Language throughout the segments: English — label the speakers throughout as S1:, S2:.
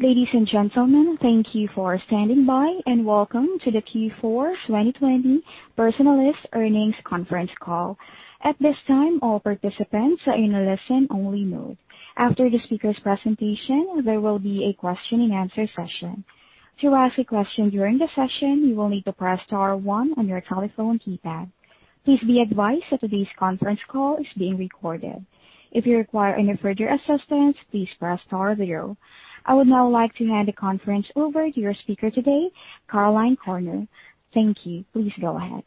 S1: Ladies and gentlemen, thank you for standing by, and welcome to the Q4 2020 Personalis Earnings Conference Call. At this time, all participants are in a listen-only mode. After the speaker's presentation, there will be a question-and-answer session. To ask a question during the session, you will need to press star one on your telephone keypad. Please be advised that today's conference call is being recorded. If you require any further assistance, please press star zero. I would now like to hand the conference over to your speaker today, Caroline Corner. Thank you. Please go ahead.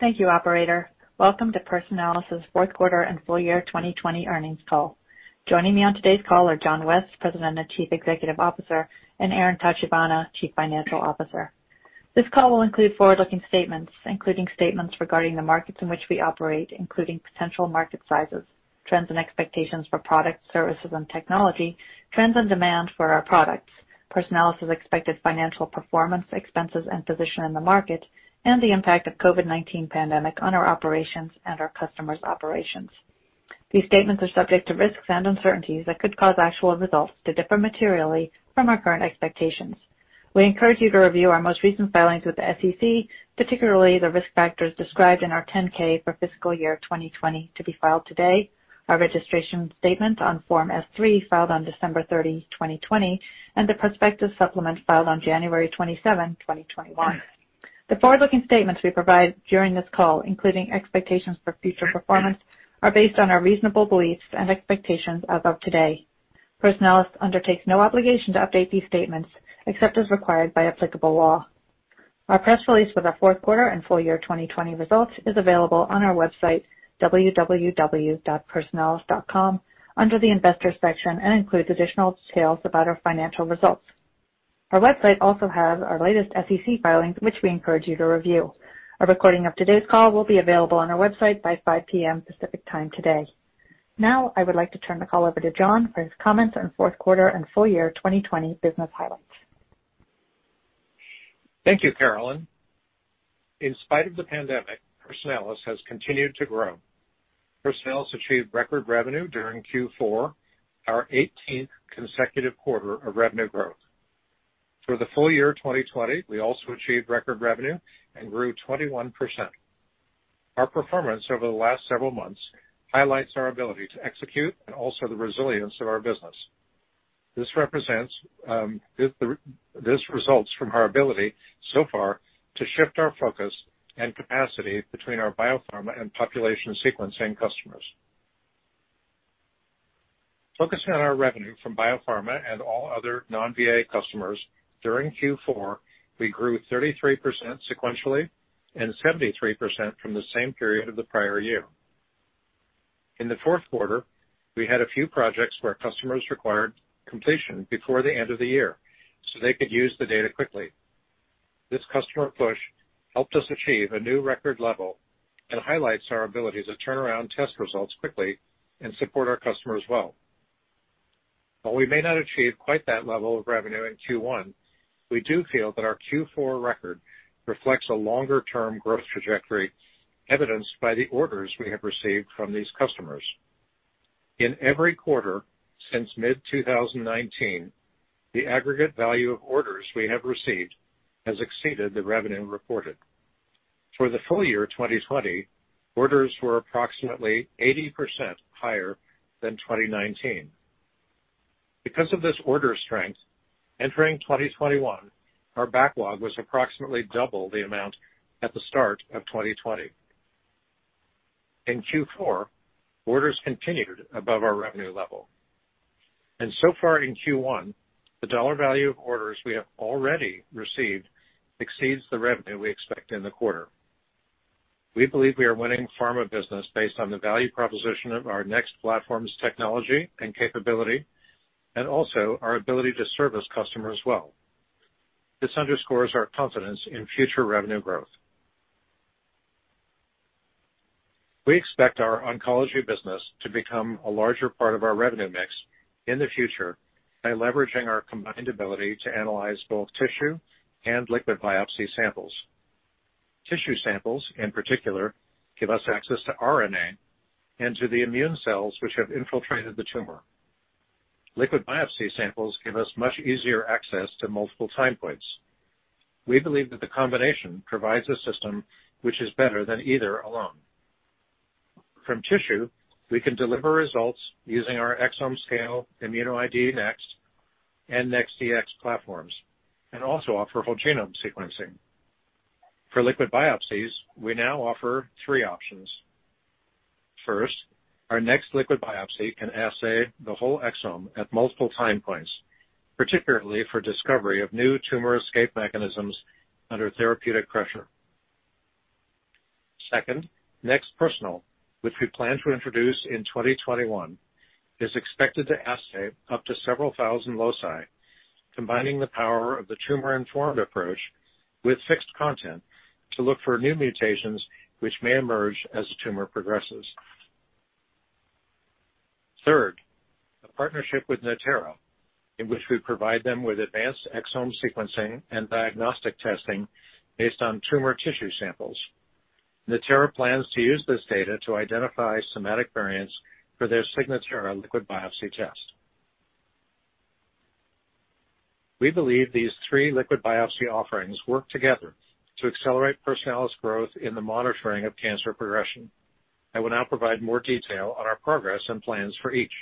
S2: Thank you, Operator. Welcome to Personalis' fourth quarter and full year 2020 earnings call. Joining me on today's call are John West, President and Chief Executive Officer, and Aaron Tachibana, Chief Financial Officer. This call will include forward-looking statements, including statements regarding the markets in which we operate, including potential market sizes, trends and expectations for products, services, and technology, trends and demand for our products, Personalis' expected financial performance, expenses, and position in the market, and the impact of the COVID-19 pandemic on our operations and our customers' operations. These statements are subject to risks and uncertainties that could cause actual results to differ materially from our current expectations. We encourage you to review our most recent filings with the SEC, particularly the risk factors described in our 10-K for fiscal year 2020 to be filed today, our registration statement on Form S-3 filed on December 30, 2020, and the prospectus supplement filed on January 27, 2021. The forward-looking statements we provide during this call, including expectations for future performance, are based on our reasonable beliefs and expectations as of today. Personalis undertake no obligation to update these statements except as required by applicable law. Our press release with our fourth quarter and full year 2020 results is available on our website, www.personalis.com, under the Investor section, and includes additional details about our financial results. Our website also has our latest SEC filings, which we encourage you to review. A recording of today's call will be available on our website by 5:00 P.M. Pacific Time today. Now, I would like to turn the call over to John for his comments on fourth quarter and full year 2020 business highlights.
S3: Thank you, Caroline. In spite of the pandemic, Personalis has continued to grow. Personalis achieved record revenue during Q4, our 18th consecutive quarter of revenue growth. For the full year 2020, we also achieved record revenue and grew 21%. Our performance over the last several months highlights our ability to execute and also the resilience of our business. This results from our ability so far to shift our focus and capacity between our biopharma and population sequencing customers. Focusing on our revenue from biopharma and all other non-VA customers, during Q4, we grew 33% sequentially and 73% from the same period of the prior year. In the fourth quarter, we had a few projects where customers required completion before the end of the year so they could use the data quickly. This customer push helped us achieve a new record level and highlights our ability to turn around test results quickly and support our customers well. While we may not achieve quite that level of revenue in Q1, we do feel that our Q4 record reflects a longer-term growth trajectory evidenced by the orders we have received from these customers. In every quarter since mid-2019, the aggregate value of orders we have received has exceeded the revenue reported. For the full year 2020, orders were approximately 80% higher than 2019. Because of this order strength, entering 2021, our backlog was approximately double the amount at the start of 2020. In Q4, orders continued above our revenue level. So far in Q1, the dollar value of orders we have already received exceeds the revenue we expect in the quarter. We believe we are winning pharma business based on the value proposition of our NeXT Platform's technology and capability, and also our ability to service customers well. This underscores our confidence in future revenue growth. We expect our oncology business to become a larger part of our revenue mix in the future by leveraging our combined ability to analyze both tissue and liquid biopsy samples. Tissue samples, in particular, give us access to RNA and to the immune cells which have infiltrated the tumor. Liquid biopsy samples give us much easier access to multiple time points. We believe that the combination provides a system which is better than either alone. From tissue, we can deliver results using our exome scale, ImmunoID NeXT, and NeXT Dx platforms, and also offer whole genome sequencing. For liquid biopsies, we now offer three options. First, our NeXT Liquid Biopsy can assay the whole exome at multiple time points, particularly for discovery of new tumor escape mechanisms under therapeutic pressure. Second, NeXT Personal, which we plan to introduce in 2021, is expected to assay up to several thousand loci, combining the power of the tumor-informed approach with fixed content to look for new mutations which may emerge as the tumor progresses. Third, a partnership with Natera, in which we provide them with advanced exome sequencing and diagnostic testing based on tumor tissue samples. Natera plans to use this data to identify somatic variants for their Signatera liquid biopsy test. We believe these three liquid biopsy offerings work together to accelerate Personalis growth in the monitoring of cancer progression. I will now provide more detail on our progress and plans for each.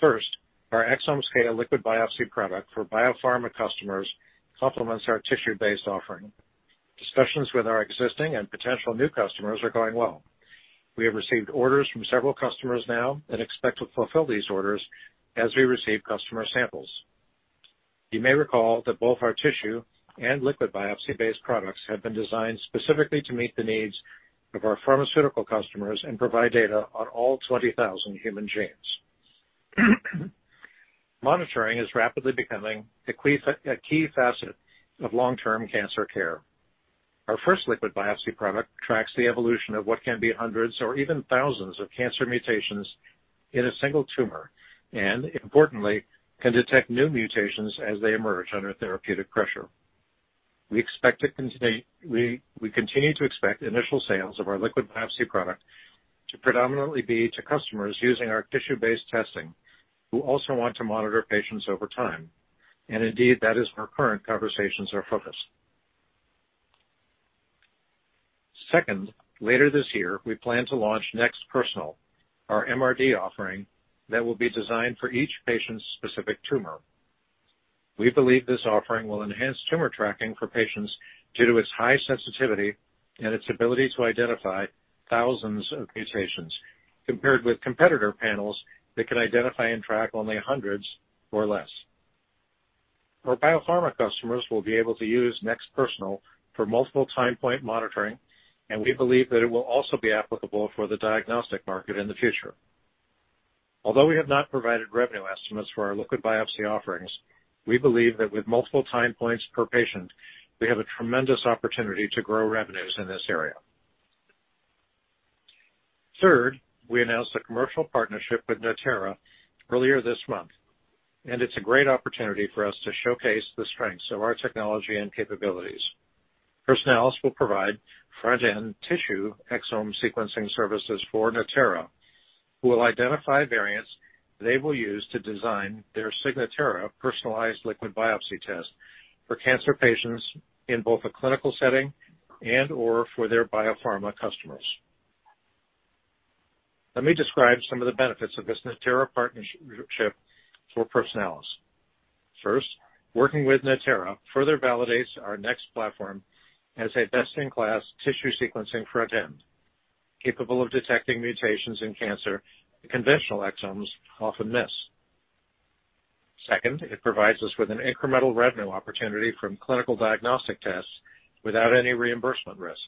S3: First, our exome-scale liquid biopsy product for biopharma customers complements our tissue-based offering. Discussions with our existing and potential new customers are going well. We have received orders from several customers now and expect to fulfill these orders as we receive customer samples. You may recall that both our tissue and liquid biopsy-based products have been designed specifically to meet the needs of our pharmaceutical customers and provide data on all 20,000 human genes. Monitoring is rapidly becoming a key facet of long-term cancer care. Our first liquid biopsy product tracks the evolution of what can be hundreds or even thousands of cancer mutations in a single tumor and, importantly, can detect new mutations as they emerge under therapeutic pressure. We continue to expect initial sales of our liquid biopsy product to predominantly be to customers using our tissue-based testing who also want to monitor patients over time. That is where current conversations are focused. Second, later this year, we plan to launch NeXT Personal, our MRD offering that will be designed for each patient's specific tumor. We believe this offering will enhance tumor tracking for patients due to its high sensitivity and its ability to identify thousands of mutations compared with competitor panels that can identify and track only hundreds or less. Our biopharma customers will be able to use NeXT Personal for multiple time point monitoring, and we believe that it will also be applicable for the diagnostic market in the future. Although we have not provided revenue estimates for our liquid biopsy offerings, we believe that with multiple time points per patient, we have a tremendous opportunity to grow revenues in this area. Third, we announced a commercial partnership with Natera earlier this month, and it's a great opportunity for us to showcase the strengths of our technology and capabilities. Personalis will provide front-end tissue exome sequencing services for Natera, who will identify variants they will use to design their Signatera personalized liquid biopsy test for cancer patients in both a clinical setting and/or for their biopharma customers. Let me describe some of the benefits of this Natera partnership for Personalis. First, working with Natera further validates our NeXT Platform as a best-in-class tissue sequencing front end, capable of detecting mutations in cancer that conventional exomes often miss. Second, it provides us with an incremental revenue opportunity from clinical diagnostic tests without any reimbursement risk.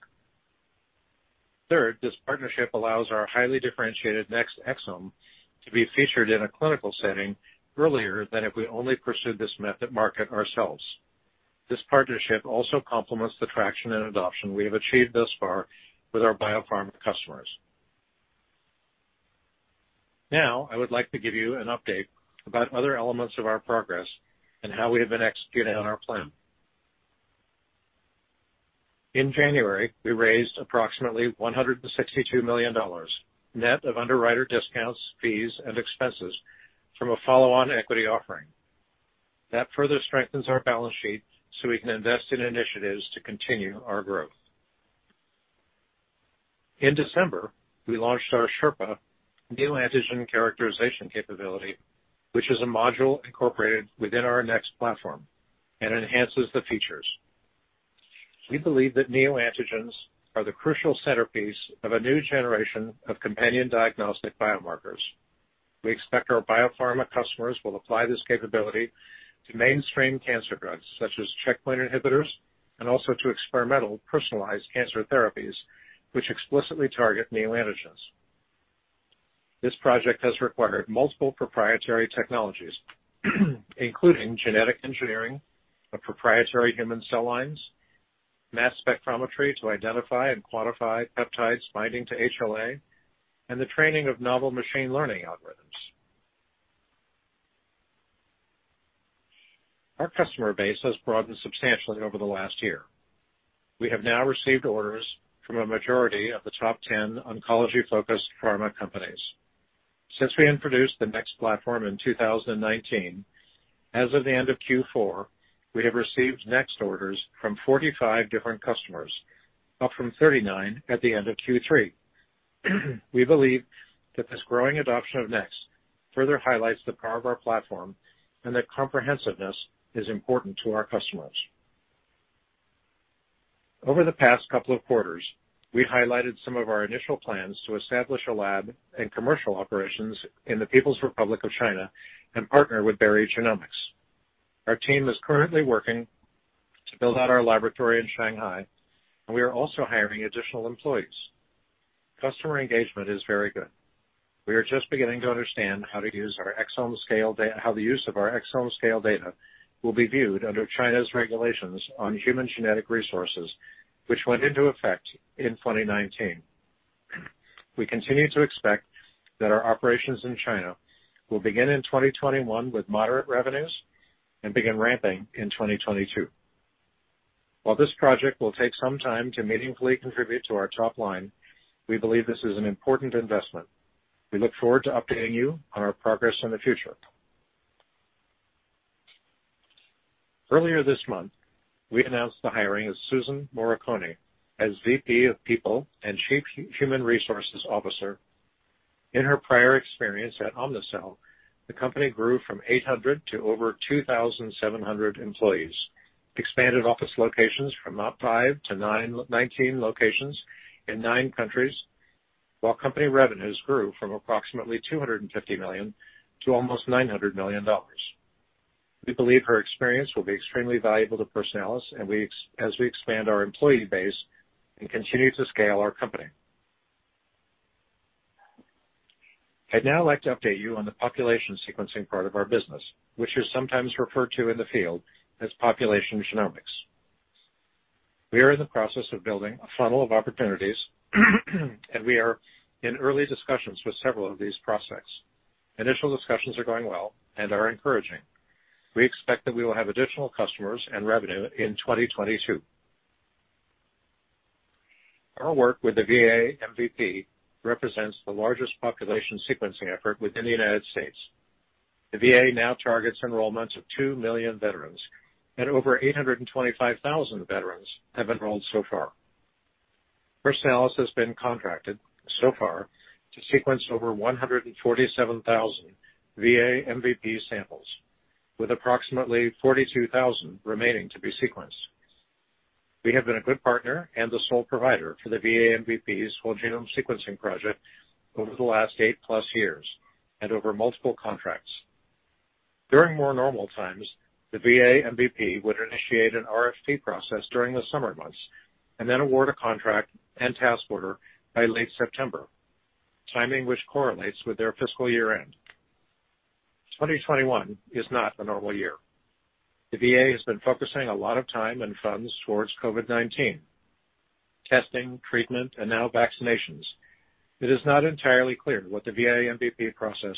S3: Third, this partnership allows our highly differentiated NeXT exome to be featured in a clinical setting earlier than if we only pursued this market ourselves. This partnership also complements the traction and adoption we have achieved thus far with our biopharma customers. Now, I would like to give you an update about other elements of our progress and how we have been executing on our plan. In January, we raised approximately $162 million net of underwriter discounts, fees, and expenses from a follow-on equity offering. That further strengthens our balance sheet so we can invest in initiatives to continue our growth. In December, we launched our SHERPA Neoantigen Characterization capability, which is a module incorporated within our NeXT Platform and enhances the features. We believe that neoantigens are the crucial centerpiece of a new generation of companion diagnostic biomarkers. We expect our biopharma customers will apply this capability to mainstream cancer drugs such as checkpoint inhibitors and also to experimental personalized cancer therapies which explicitly target neoantigens. This project has required multiple proprietary technologies, including genetic engineering of proprietary human cell lines, mass spectrometry to identify and quantify peptides binding to HLA, and the training of novel machine learning algorithms. Our customer base has broadened substantially over the last year. We have now received orders from a majority of the top 10 oncology-focused pharma companies. Since we introduced the NeXT Platform in 2019, as of the end of Q4, we have received NeXT orders from 45 different customers, up from 39 at the end of Q3. We believe that this growing adoption of NeXT further highlights the power of our platform and that comprehensiveness is important to our customers. Over the past couple of quarters, we highlighted some of our initial plans to establish a lab and commercial operations in the People's Republic of China and partner with Berry Genomics. Our team is currently working to build out our laboratory in Shanghai, and we are also hiring additional employees. Customer engagement is very good. We are just beginning to understand how the use of our exome scale data will be viewed under China's regulations on human genetic resources, which went into effect in 2019. We continue to expect that our operations in China will begin in 2021 with moderate revenues and begin ramping in 2022. While this project will take some time to meaningfully contribute to our top line, we believe this is an important investment. We look forward to updating you on our progress in the future. Earlier this month, we announced the hiring of Susan Moriconi as VP of People and Chief Human Resources Officer. In her prior experience at Omnicell, the company grew from 800 to over 2,700 employees, expanded office locations from 5 to 19 locations in nine countries, while company revenues grew from approximately $250 million to almost $900 million. We believe her experience will be extremely valuable to Personalis as we expand our employee base and continue to scale our company. I'd now like to update you on the population sequencing part of our business, which is sometimes referred to in the field as population genomics. We are in the process of building a funnel of opportunities, and we are in early discussions with several of these prospects. Initial discussions are going well and are encouraging. We expect that we will have additional customers and revenue in 2022. Our work with the VA MVP represents the largest population sequencing effort within the United States. The VA now targets enrollment of 2 million veterans, and over 825,000 veterans have enrolled so far. Personalis has been contracted so far to sequence over 147,000 VA MVP samples, with approximately 42,000 remaining to be sequenced. We have been a good partner and the sole provider for the VA MVP's whole genome sequencing project over the last 8+ years and over multiple contracts. During more normal times, the VA MVP would initiate an RFP process during the summer months and then award a contract and task order by late September, timing which correlates with their fiscal year-end. 2021 is not a normal year. The VA has been focusing a lot of time and funds towards COVID-19, testing, treatment, and now vaccinations. It is not entirely clear what the VA MVP process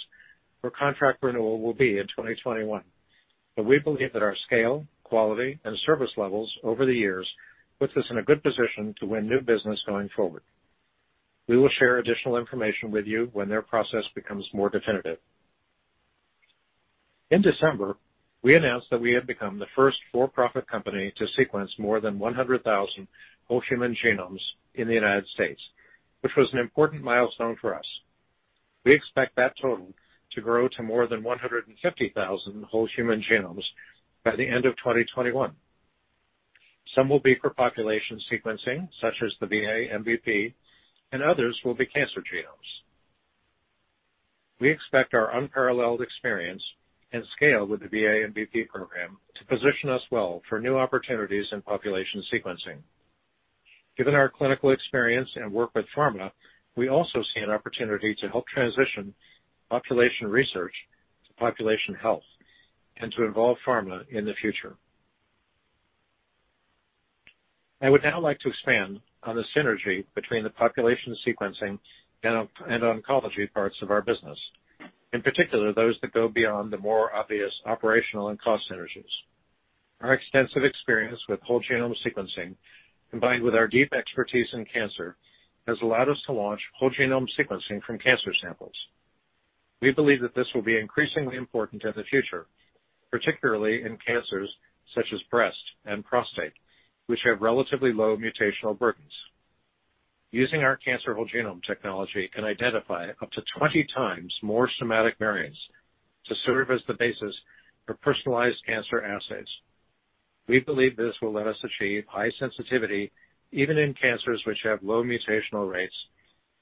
S3: for contract renewal will be in 2021, but we believe that our scale, quality, and service levels over the years puts us in a good position to win new business going forward. We will share additional information with you when their process becomes more definitive. In December, we announced that we had become the first for-profit company to sequence more than 100,000 whole human genomes in the United States, which was an important milestone for us. We expect that total to grow to more than 150,000 whole human genomes by the end of 2021. Some will be for population sequencing, such as the VA MVP, and others will be cancer genomes. We expect our unparalleled experience and scale with the VA MVP program to position us well for new opportunities in population sequencing. Given our clinical experience and work with pharma, we also see an opportunity to help transition population research to population health and to involve pharma in the future. I would now like to expand on the synergy between the population sequencing and oncology parts of our business, in particular those that go beyond the more obvious operational and cost synergies. Our extensive experience with whole genome sequencing, combined with our deep expertise in cancer, has allowed us to launch whole genome sequencing from cancer samples. We believe that this will be increasingly important in the future, particularly in cancers such as breast and prostate, which have relatively low mutational burdens. Using our cancer whole genome technology can identify up to 20x more somatic variants to serve as the basis for personalised cancer assays. We believe this will let us achieve high sensitivity even in cancers which have low mutational rates,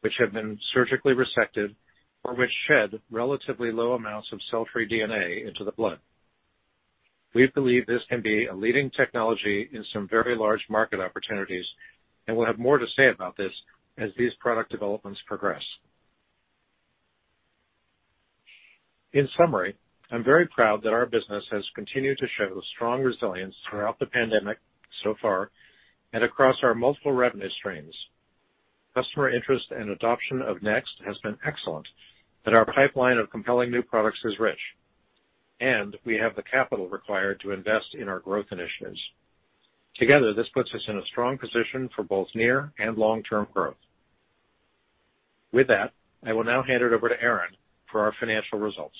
S3: which have been surgically resected, or which shed relatively low amounts of cell-free DNA into the blood. We believe this can be a leading technology in some very large market opportunities, and we'll have more to say about this as these product developments progress. In summary, I'm very proud that our business has continued to show strong resilience throughout the pandemic so far and across our multiple revenue streams. Customer interest and adoption of NeXT has been excellent, and our pipeline of compelling new products is rich, and we have the capital required to invest in our growth initiatives. Together, this puts us in a strong position for both near and long-term growth. With that, I will now hand it over to Aaron for our financial results.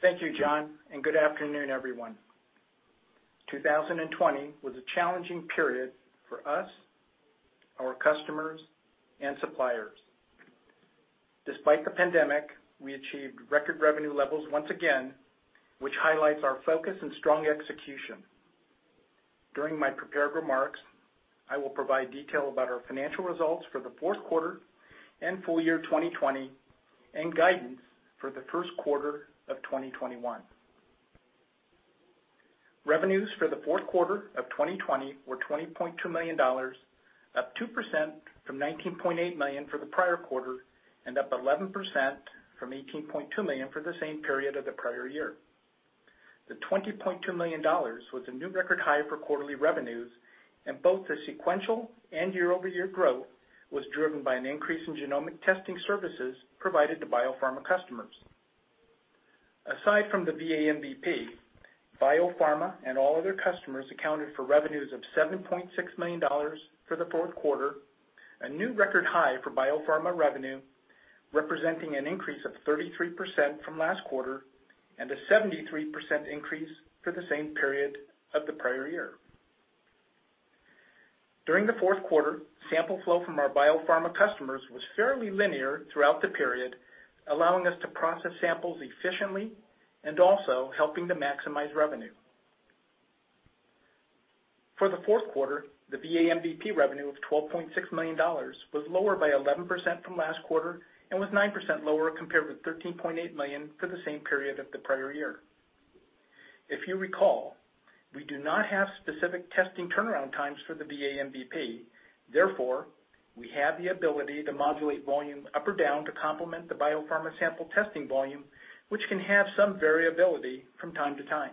S4: Thank you, John, and good afternoon, everyone. 2020 was a challenging period for us, our customers, and suppliers. Despite the pandemic, we achieved record revenue levels once again, which highlights our focus and strong execution. During my prepared remarks, I will provide detail about our financial results for the fourth quarter and full year 2020, and guidance for the first quarter of 2021. Revenues for the fourth quarter of 2020 were $20.2 million, up 2% from $19.8 million for the prior quarter and up 11% from $18.2 million for the same period of the prior year. The $20.2 million was a new record high for quarterly revenues, and both the sequential and year-over-year growth was driven by an increase in genomic testing services provided to biopharma customers. Aside from the VA MVP, biopharma and all other customers accounted for revenues of $7.6 million for the fourth quarter, a new record high for biopharma revenue, representing an increase of 33% from last quarter and a 73% increase for the same period of the prior year. During the fourth quarter, sample flow from our biopharma customers was fairly linear throughout the period, allowing us to process samples efficiently and also helping to maximise revenue. For the fourth quarter, the VA MVP revenue of $12.6 million was lower by 11% from last quarter and was 9% lower compared with $13.8 million for the same period of the prior year. If you recall, we do not have specific testing turnaround times for the VA MVP. Therefore, we have the ability to modulate volume up or down to complement the biopharma sample testing volume, which can have some variability from time to time.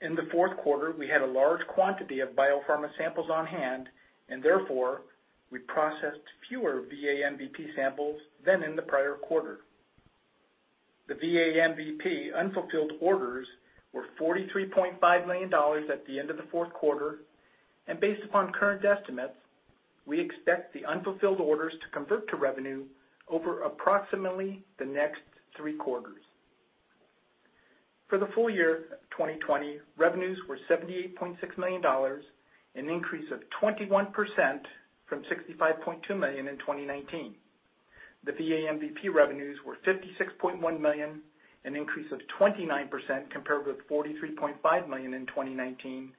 S4: In the fourth quarter, we had a large quantity of biopharma samples on hand, and therefore, we processed fewer VA MVP samples than in the prior quarter. The VA MVP unfulfilled orders were $43.5 million at the end of the fourth quarter, and based upon current estimates, we expect the unfulfilled orders to convert to revenue over approximately the next three quarters. For the full year 2020, revenues were $78.6 million, an increase of 21% from $65.2 million in 2019. The VA MVP revenues were $56.1 million, an increase of 29% compared with $43.5 million in 2019,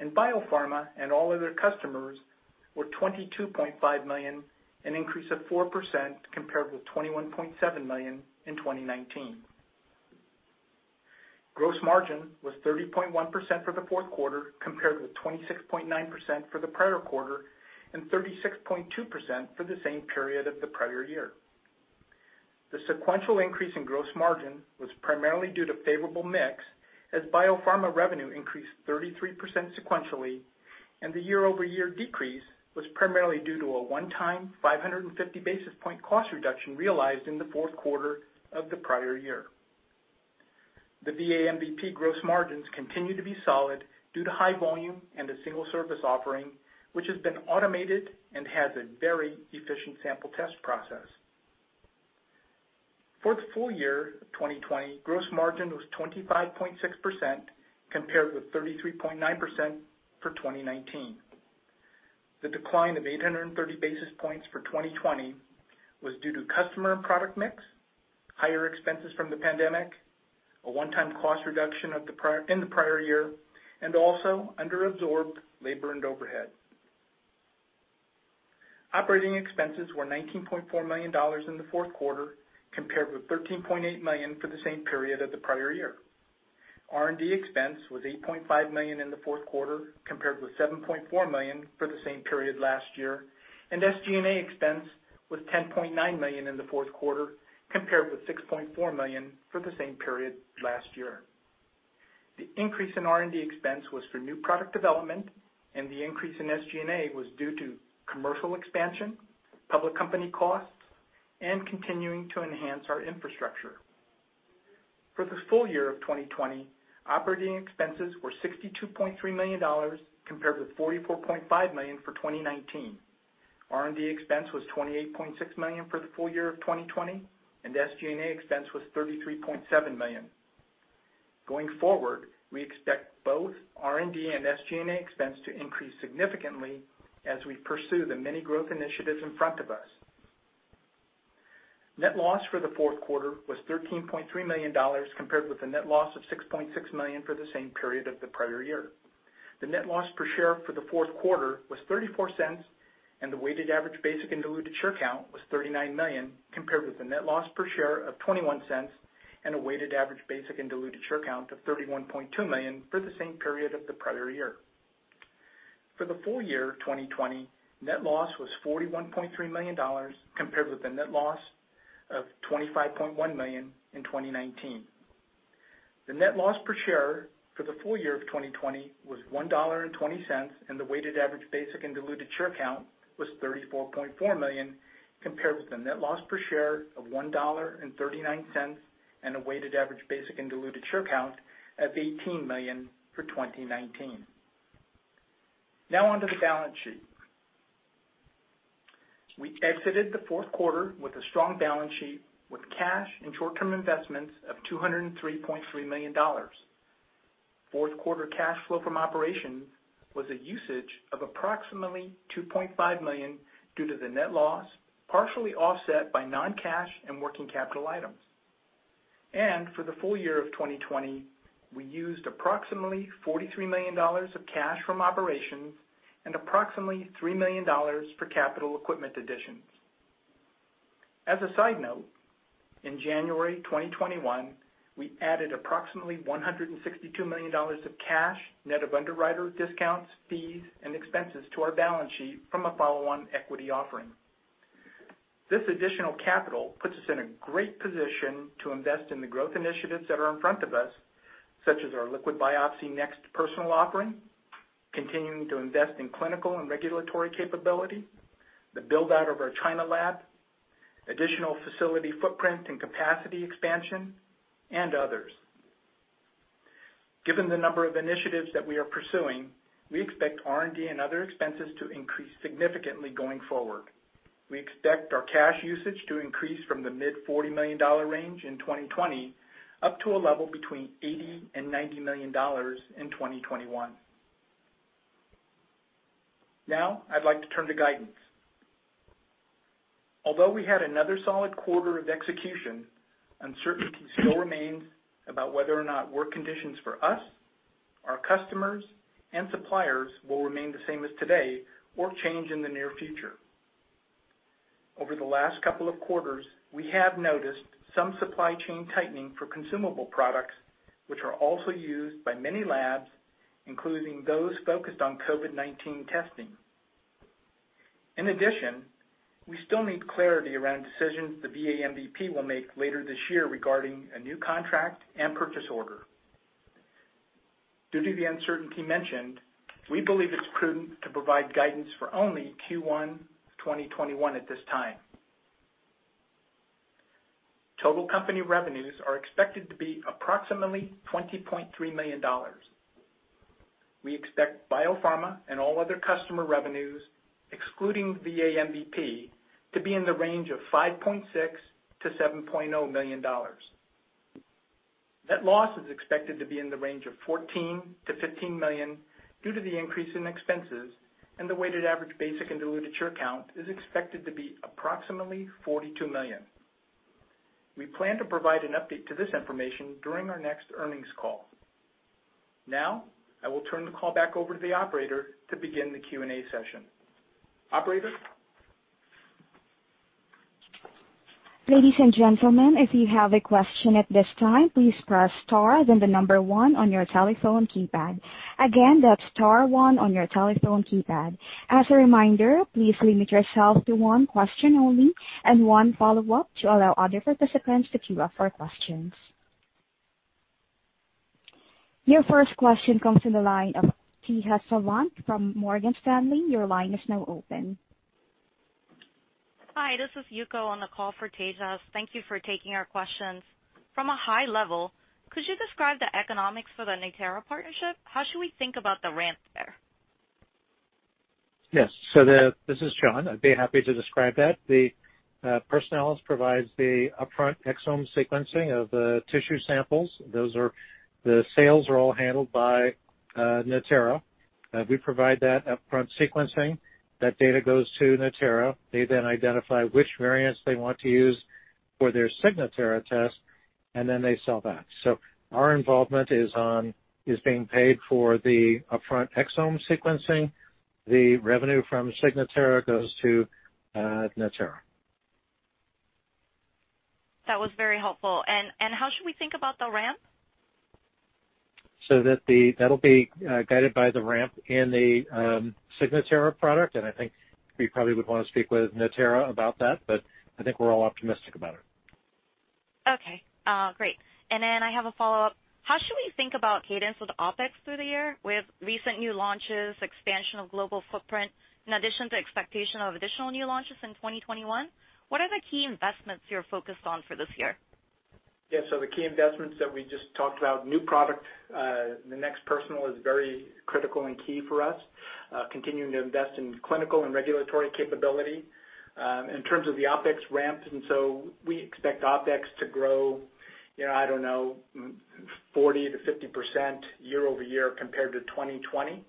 S4: and biopharma and all other customers were $22.5 million, an increase of 4% compared with $21.7 million in 2019. Gross margin was 30.1% for the fourth quarter compared with 26.9% for the prior quarter and 36.2% for the same period of the prior year. The sequential increase in gross margin was primarily due to favorable mix as biopharma revenue increased 33% sequentially, and the year-over-year decrease was primarily due to a one-time 550 basis point cost reduction realized in the fourth quarter of the prior year. The VA MVP gross margins continue to be solid due to high volume and a single service offering, which has been automated and has a very efficient sample test process. For the full year 2020, gross margin was 25.6% compared with 33.9% for 2019. The decline of 830 basis points for 2020 was due to customer and product mix, higher expenses from the pandemic, a one-time cost reduction in the prior year, and also under-absorbed labor and overhead. Operating expenses were $19.4 million in the fourth quarter compared with $13.8 million for the same period of the prior year. R&D expense was $8.5 million in the fourth quarter compared with $7.4 million for the same period last year, and SG&A expense was $10.9 million in the fourth quarter compared with $6.4 million for the same period last year. The increase in R&D expense was for new product development, and the increase in SG&A was due to commercial expansion, public company costs, and continuing to enhance our infrastructure. For the full year of 2020, operating expenses were $62.3 million compared with $44.5 million for 2019. R&D expense was $28.6 million for the full year of 2020, and SG&A expense was $33.7 million. Going forward, we expect both R&D and SG&A expense to increase significantly as we pursue the many growth initiatives in front of us. Net loss for the fourth quarter was $13.3 million compared with the net loss of $6.6 million for the same period of the prior year. The net loss per share for the fourth quarter was $0.34, and the weighted average basic and diluted share count was 39 million compared with the net loss per share of $0.21 and a weighted average basic and diluted share count of 31.2 million for the same period of the prior year. For the full year 2020, net loss was $41.3 million compared with the net loss of $25.1 million in 2019. The net loss per share for the full year of 2020 was $1.20, and the weighted average basic and diluted share count was 34.4 million compared with the net loss per share of $1.39 and a weighted average basic and diluted share count of 18 million for 2019. Now onto the balance sheet. We exited the fourth quarter with a strong balance sheet with cash and short-term investments of $203.3 million. Fourth quarter cash flow from operations was a usage of approximately $2.5 million due to the net loss, partially offset by non-cash and working capital items. For the full year of 2020, we used approximately $43 million of cash from operations and approximately $3 million for capital equipment additions. As a side note, in January 2021, we added approximately $162 million of cash, net of underwriter discounts, fees, and expenses to our balance sheet from a follow-on equity offering. This additional capital puts us in a great position to invest in the growth initiatives that are in front of us, such as our liquid biopsy NeXT Personal offering, continuing to invest in clinical and regulatory capability, the build-out of our China lab, additional facility footprint and capacity expansion, and others. Given the number of initiatives that we are pursuing, we expect R&D and other expenses to increase significantly going forward. We expect our cash usage to increase from the mid-$40 million range in 2020 up to a level between $80 million and $90 million in 2021. Now, I'd like to turn to guidance. Although we had another solid quarter of execution, uncertainty still remains about whether or not work conditions for us, our customers, and suppliers will remain the same as today or change in the near future. Over the last couple of quarters, we have noticed some supply chain tightening for consumable products, which are also used by many labs, including those focused on COVID-19 testing. In addition, we still need clarity around decisions the VA MVP will make later this year regarding a new contract and purchase order. Due to the uncertainty mentioned, we believe it's prudent to provide guidance for only Q1 2021 at this time. Total company revenues are expected to be approximately $20.3 million. We expect biopharma and all other customer revenues, excluding VA MVP, to be in the range of $5.6 million-$7.0 million. Net loss is expected to be in the range of $14 million-$15 million due to the increase in expenses, and the weighted average basic and diluted share count is expected to be approximately 42 million. We plan to provide an update to this information during our next earnings call. Now, I will turn the call back over to the operator to begin the Q&A session. Operator.
S1: Ladies and gentlemen, if you have a question at this time, please press star then the number one on your telephone keypad. Again, that's star one on your telephone keypad. As a reminder, please limit yourself to one question only and one follow-up to allow other participants to queue up for questions. Your first question comes from the line of Tejas Savant from Morgan Stanley. Your line is now open.
S5: Hi, this is Yuko on the call for Tejas. Thank you for taking our questions. From a high level, could you describe the economics for the Natera partnership? How should we think about the ramp there?
S3: Yes. This is John. I'd be happy to describe that. Personalis provides the upfront exome sequencing of the tissue samples. The sales are all handled by Natera. We provide that upfront sequencing. That data goes to Natera. They then identify which variants they want to use for their Signatera test, and then they sell that. Our involvement is being paid for the upfront exome sequencing. The revenue from Signatera goes to Natera.
S5: That was very helpful. How should we think about the ramp?
S3: That will be guided by the ramp in the Signatera product, and I think we probably would want to speak with Natera about that, but I think we're all optimistic about it.
S5: Okay. Great. I have a follow-up. How should we think about cadence with OpEx through the year with recent new launches, expansion of global footprint, in addition to expectation of additional new launches in 2021? What are the key investments you're focused on for this year?
S4: Yeah. The key investments that we just talked about, new product, the NeXT Personal is very critical and key for us, continuing to invest in clinical and regulatory capability. In terms of the OpEx ramp, we expect OpEx to grow, I don't know, 40%-50% year-over-year compared to 2020.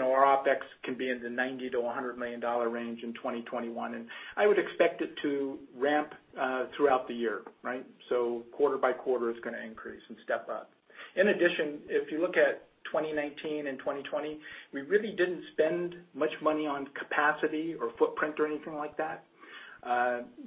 S4: Our OpEx can be in the $90 million-$100 million range in 2021, and I would expect it to ramp throughout the year, right? Quarter-by-quarter it's going to increase and step up. In addition, if you look at 2019 and 2020, we really didn't spend much money on capacity or footprint or anything like that.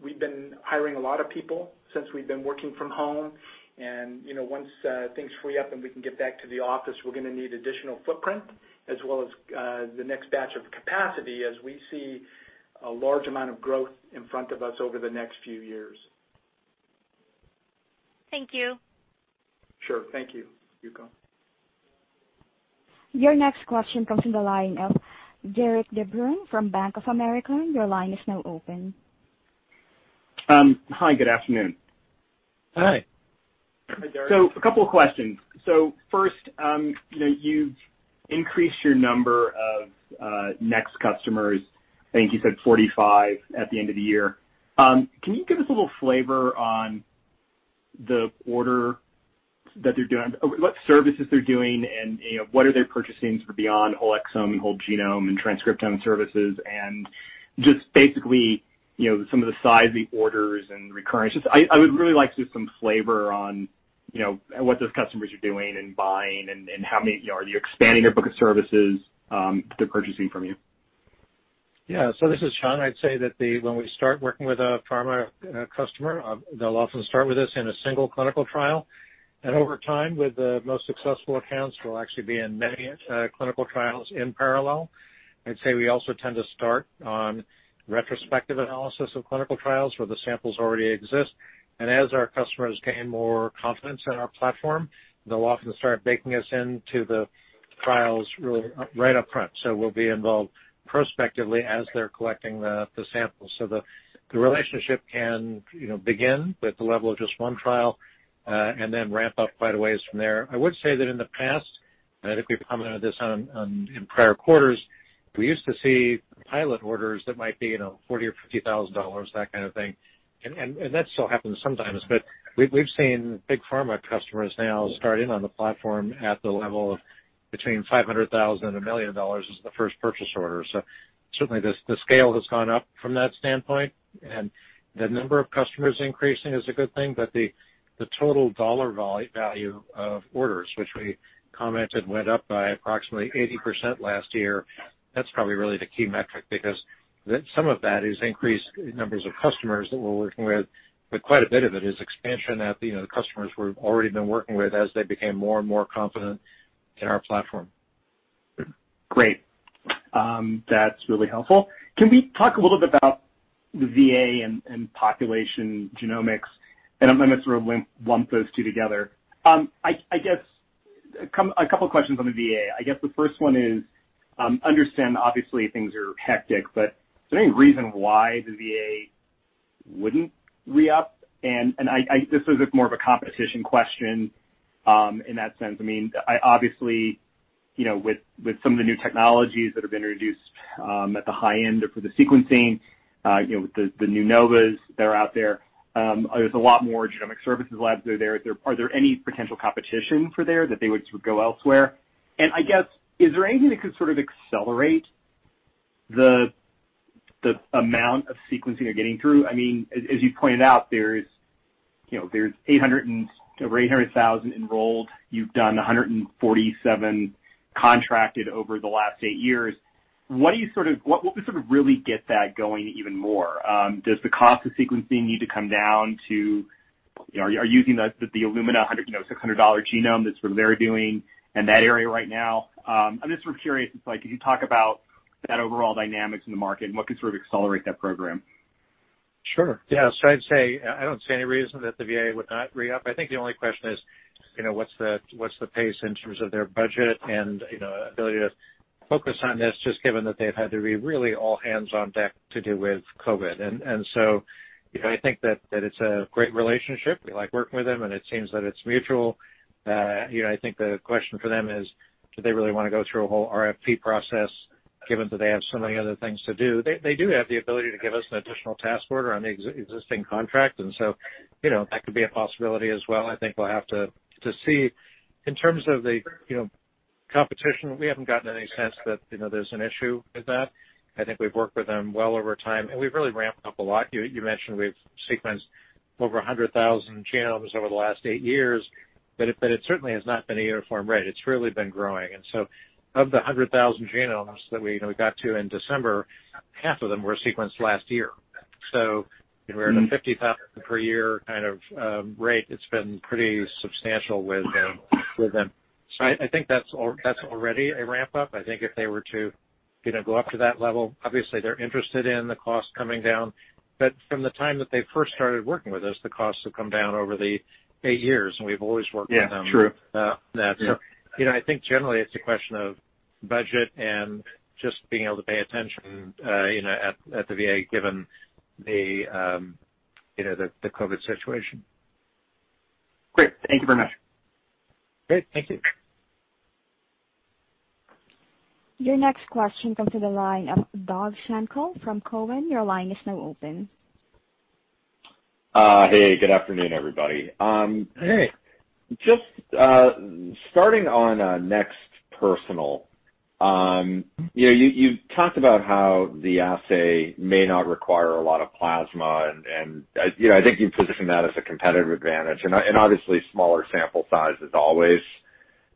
S4: We've been hiring a lot of people since we've been working from home, and once things free up and we can get back to the office, we're going to need additional footprint as well as the next batch of capacity as we see a large amount of growth in front of us over the next few years.
S5: Thank you.
S4: Sure. Thank you, Yuko.
S1: Your next question comes from the line of Derik de Bruin from Bank of America. Your line is now open.
S6: Hi. Good afternoon.
S3: Hi.
S4: Hi, Derek.
S6: A couple of questions. First, you've increased your number of NeXT customers. I think you said 45 at the end of the year. Can you give us a little flavour on the order that they're doing, what services they're doing, and what are they purchasing for beyond whole exome and whole genome and transcriptome services and just basically some of the size of the orders and recurrence? I would really like to get some flavour on what those customers are doing and buying and how many are you expanding their book of services that they're purchasing from you.
S3: Yeah. This is John. I'd say that when we start working with a pharma customer, they'll often start with us in a single clinical trial. Over time, with the most successful accounts, we'll actually be in many clinical trials in parallel. I'd say we also tend to start on retrospective analysis of clinical trials where the samples already exist. As our customers gain more confidence in our platform, they'll often start baking us into the trials right upfront. We'll be involved prospectively as they're collecting the samples. The relationship can begin with the level of just one trial and then ramp up quite a ways from there. I would say that in the past, and I think we've commented on this in prior quarters, we used to see pilot orders that might be $40,000 or $50,000, that kind of thing. That still happens sometimes, but we've seen big pharma customers now start in on the platform at the level of between $500,000 and $1 million as the first purchase order. Certainly, the scale has gone up from that standpoint, and the number of customers increasing is a good thing, but the total dollar value of orders, which we commented, went up by approximately 80% last year. That's probably really the key metric because some of that is increased numbers of customers that we're working with, but quite a bit of it is expansion that the customers we've already been working with as they became more and more confident in our platform.
S6: Great. That's really helpful. Can we talk a little bit about the VA and population genomics? I'm going to sort of lump those two together. I guess a couple of questions on the VA. I guess the first one is, understand, obviously, things are hectic, but is there any reason why the VA wouldn't re-up? This is more of a competition question in that sense. I mean, obviously, with some of the new technologies that have been introduced at the high end for the sequencing, with the De Novo that are out there, there's a lot more genomic services labs that are there. Are there any potential competition for there that they would sort of go elsewhere? I guess, is there anything that could sort of accelerate the amount of sequencing they're getting through? I mean, as you pointed out, there's 825,000 enrolled. You've done 147 contracted over the last eight years. What do you sort of, what would sort of really get that going even more? Does the cost of sequencing need to come down too? Are you using the Illumina $600 genome? That's what they're doing in that area right now. I'm just sort of curious. If you talk about that overall dynamics in the market, what could sort of accelerate that program?
S3: Sure. Yeah. I'd say I don't see any reason that the VA would not re-up. I think the only question is, what's the pace in terms of their budget and ability to focus on this, just given that they've had to be really all hands on deck to deal with COVID. I think that it's a great relationship. We like working with them, and it seems that it's mutual. I think the question for them is, do they really want to go through a whole RFP process given that they have so many other things to do? They do have the ability to give us an additional task order on the existing contract, and that could be a possibility as well. I think we'll have to see. In terms of the competition, we haven't gotten any sense that there's an issue with that. I think we've worked with them well over time, and we've really ramped up a lot. You mentioned we've sequenced over 100,000 genomes over the last eight years, but it certainly has not been a uniform rate. It's really been growing. Of the 100,000 genomes that we got to in December, half of them were sequenced last year. We're at a 50,000 per year kind of rate. It's been pretty substantial with them. I think that's already a ramp-up. I think if they were to go up to that level, obviously, they're interested in the cost coming down, but from the time that they first started working with us, the costs have come down over the eight years, and we've always worked with them. Yeah. True. I think generally, it's a question of budget and just being able to pay attention at the VA given the COVID situation.
S6: Great. Thank you very much.
S3: Great. Thank you.
S1: Your next question comes from the line of Doug Schenkel from Cowen. Your line is now open.
S7: Hey. Good afternoon, everybody.
S3: Hey.
S7: Just starting on NeXT Personal, you talked about how the assay may not require a lot of plasma, and I think you positioned that as a competitive advantage. Obviously, smaller sample size is always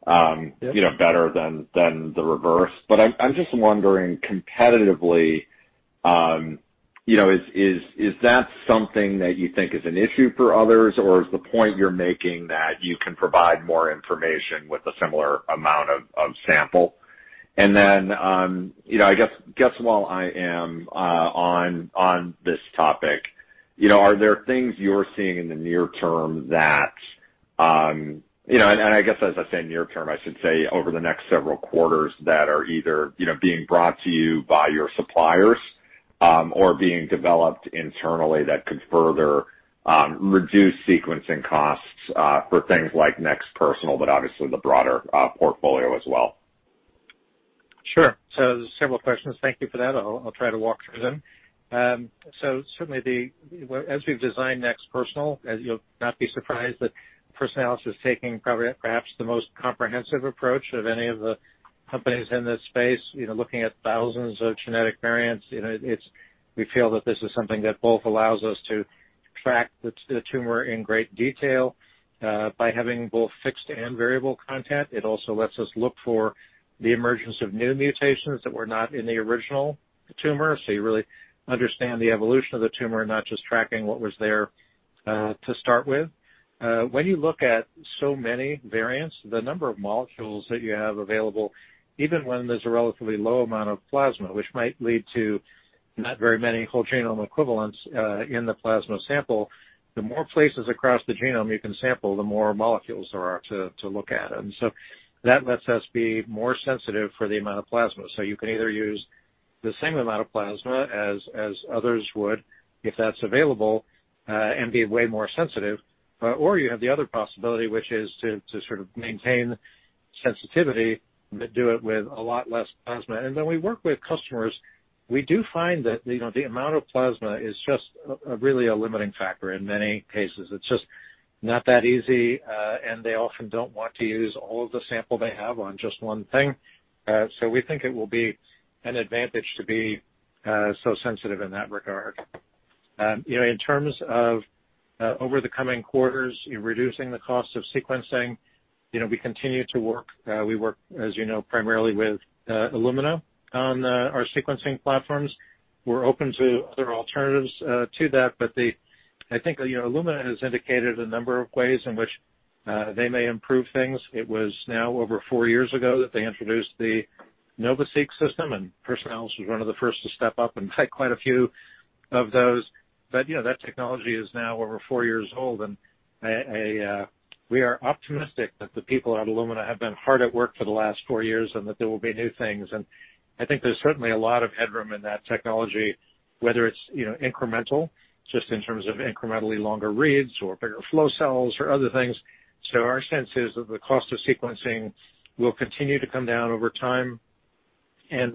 S7: better than the reverse. I'm just wondering, competitively, is that something that you think is an issue for others, or is the point you're making that you can provide more information with a similar amount of sample? I guess, just while I am on this topic, are there things you're seeing in the near term that—as I say, near term, I should say over the next several quarters—that are either being brought to you by your suppliers or being developed internally that could further reduce sequencing costs for things like NeXT Personal, but obviously, the broader portfolio as well?
S3: Sure. Several questions. Thank you for that. I'll try to walk through them. Certainly, as we've designed NeXT Personal, you'll not be surprised that Personalis is taking perhaps the most comprehensive approach of any of the companies in this space, looking at thousands of genetic variants. We feel that this is something that both allows us to track the tumor in great detail by having both fixed and variable content. It also lets us look for the emergence of new mutations that were not in the original tumor, so you really understand the evolution of the tumor and not just tracking what was there to start with. When you look at so many variants, the number of molecules that you have available, even when there's a relatively low amount of plasma, which might lead to not very many whole genome equivalents in the plasma sample, the more places across the genome you can sample, the more molecules there are to look at. That lets us be more sensitive for the amount of plasma. You can either use the same amount of plasma as others would if that's available and be way more sensitive, or you have the other possibility, which is to sort of maintain sensitivity but do it with a lot less plasma. When we work with customers, we do find that the amount of plasma is just really a limiting factor in many cases. It's just not that easy, and they often don't want to use all of the sample they have on just one thing. We think it will be an advantage to be so sensitive in that regard. In terms of over the coming quarters, reducing the cost of sequencing, we continue to work. We work, as you know, primarily with Illumina on our sequencing platforms. We're open to other alternatives to that, but I think Illumina has indicated a number of ways in which they may improve things. It was now over four years ago that they introduced the NovaSeq system, and Personalis was one of the first to step up and buy quite a few of those. That technology is now over four years old, and we are optimistic that the people at Illumina have been hard at work for the last four years and that there will be new things. I think there's certainly a lot of headroom in that technology, whether it's incremental, just in terms of incrementally longer reads or bigger flow cells or other things. Our sense is that the cost of sequencing will continue to come down over time.